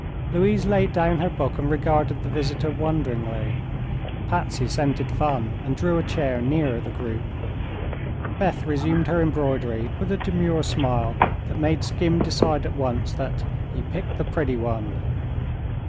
Louise laid down her book and regarded the visitor wonderingly. Patsy scented fun and drew a chair nearer the group. Beth resumed her embroidery with a demure smile that made Skim decide at once that "he picked the pretty one."